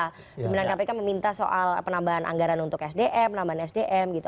kemudian kpk meminta soal penambahan anggaran untuk sdm penambahan sdm gitu